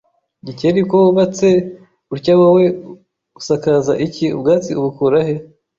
Gikeli ko wubatse utyawowe usakaza iki ubwatsi ubukura he